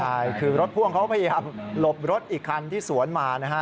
ใช่คือรถพ่วงเขาพยายามหลบรถอีกคันที่สวนมานะฮะ